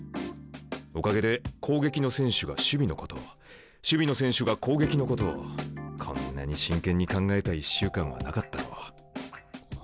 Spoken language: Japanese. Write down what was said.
おかげで攻撃の選手が守備のことを守備の選手が攻撃のことをこんなに真剣に考えた１週間はなかったろう。